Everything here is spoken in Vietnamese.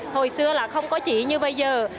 hồi xưa không có sợi chỉ như bây giờ